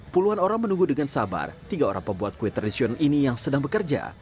puluhan orang menunggu dengan sabar tiga orang pembuat kue tradisional ini yang sedang bekerja